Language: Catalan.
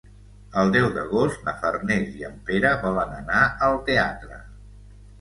El deu d'agost na Farners i en Pere volen anar al teatre.